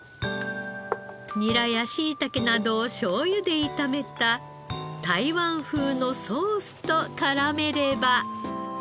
ニラやしいたけなどをしょうゆで炒めた台湾風のソースと絡めれば。